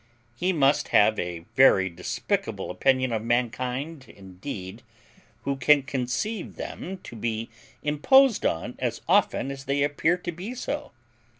He must have a very despicable opinion of mankind indeed who can conceive them to be imposed on as often as they appear to be so.